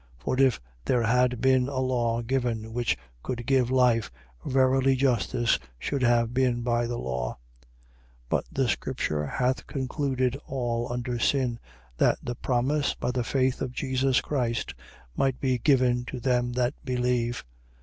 For if there had been a law given which could give life, verily justice should have been by the law. 3:22. But the scripture hath concluded all under sin, that the promise, by the faith of Jesus Christ, might be given to them that believe.